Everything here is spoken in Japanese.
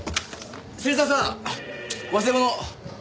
芹沢さん忘れ物！